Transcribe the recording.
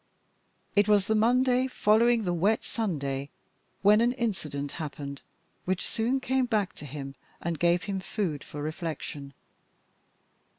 It was the Monday following the wet Sunday when an incident happened which soon came back to him, and gave him food for reflection.